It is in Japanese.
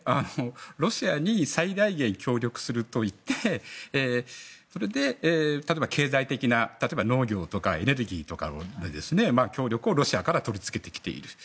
ロシアに最大限協力すると言ってそれで例えば、経済的な農業とかエネルギーとかの協力をロシアから取り付けてきている。